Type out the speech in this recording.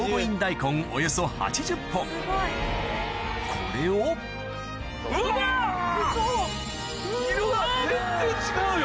これを色が全然違うよ！